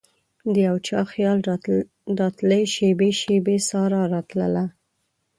دیو چا خیال راتلي شیبې ،شیبې سارا راتلله